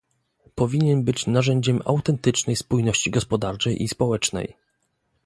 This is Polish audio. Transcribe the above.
Powinien być narzędziem autentycznej spójności gospodarczej i społecznej